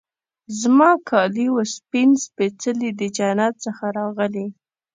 زما کالي وه سپین سپيڅلي د جنت څخه راغلي